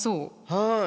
はい。